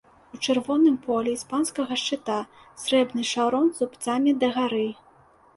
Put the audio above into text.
У чырвоным полі іспанскага шчыта срэбны шаўрон зубцамі дагары.